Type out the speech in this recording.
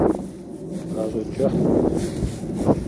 Гъащӏэ кӏыхь ухъу.